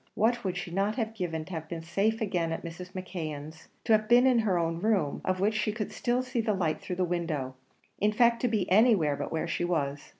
What would she not have given to have been safe again at Mrs. McKeon's; to have been in her own room, of which she could still see the light through the window; in fact, to be anywhere but where she was?